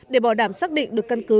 để bỏ đảm xác định được căn cứ